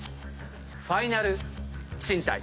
ファイナル賃貸。